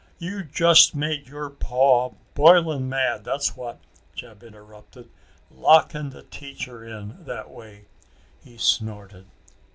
"You just made your paw boiling mad, that's what," Jeb interrupted, "locking the teacher in that way." He snorted.